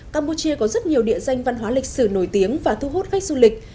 campuchia có rất nhiều địa danh văn hóa lịch sử nổi tiếng và thu hút khách du lịch